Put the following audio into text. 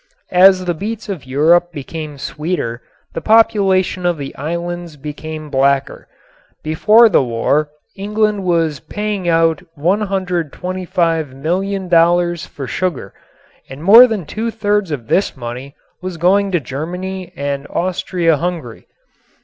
As the beets of Europe became sweeter the population of the islands became blacker. Before the war England was paying out $125,000,000 for sugar, and more than two thirds of this money was going to Germany and Austria Hungary.